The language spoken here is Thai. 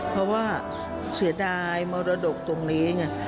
เพราะว่าเสียดายมรดกตรงนี้ไง